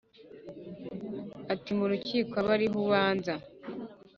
ati : mu rukiko abe ari ho ubanza